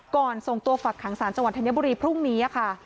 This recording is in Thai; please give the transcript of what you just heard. ส่งตัวฝักขังสารจังหวัดธัญบุรีพรุ่งนี้ค่ะ